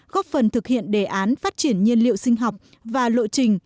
góp phần thực hiện đề án phát triển nhiên liệu sinh học và lộ trình